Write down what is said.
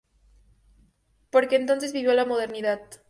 Porque entonces vivió la modernidad.